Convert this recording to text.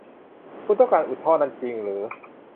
คุณต้องการอุดท่อนั้นจริงหรือ